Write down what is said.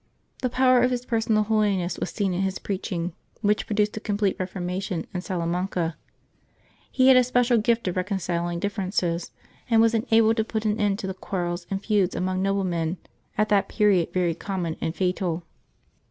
The power of his personal holiness was seen in his preach ing, which produced a complete reformation in Salamanca. He had a special gift of reconciling differences, and was enabled to put an end to the quarrels and feuds among noblemen, at that period very common and fatal.